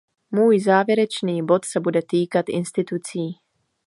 Můj závěrečný bod se bude týkat institucí.